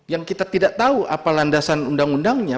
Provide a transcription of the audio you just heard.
yang kita tidak tahu apa landasan undang undangnya